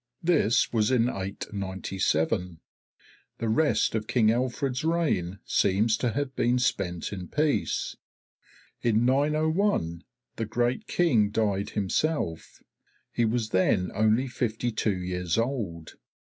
This was in 897; the rest of King Alfred's reign seems to have been spent in peace. In 901 the great King died himself. He was then only fifty two years old.